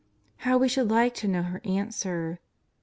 How we should like to know her answer!